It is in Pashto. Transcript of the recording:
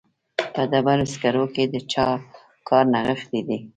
په ډبرو سکرو کې د چا کار نغښتی دی